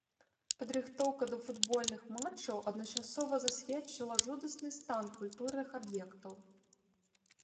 Падрыхтоўка да футбольных матчаў адначасова засведчыла жудасны стан культурных аб'ектаў.